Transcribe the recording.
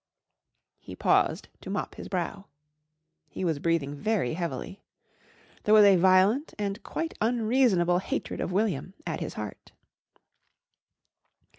He paused to mop his brow. He was breathing very heavily. There was a violent and quite unreasonable hatred of William at his heart.